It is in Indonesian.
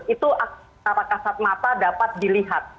itu kata kata mata dapat dilihat